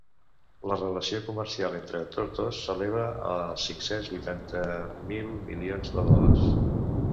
La relació comercial entre tots dos s’eleva als cinc-cents vuitanta mil milions de dòlars.